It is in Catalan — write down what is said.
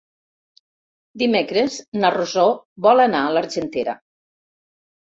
Dimecres na Rosó vol anar a l'Argentera.